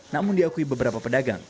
namun diakui beberapa pedagang